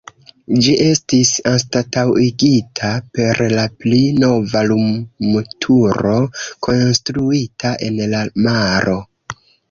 Ĝi estis anstataŭigita per la pli nova lumturo konstruita en la maro.